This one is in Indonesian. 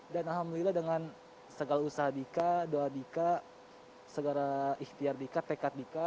dan alhamdulillah dengan segala usaha dika doa dika segala ikhtiar dika tekat dika